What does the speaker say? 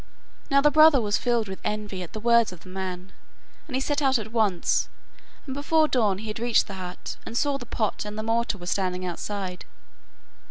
Now the brother was filled with envy at the words of the man, and he set out at once, and before dawn he had reached the hut, and saw the pot and the mortar were standing outside.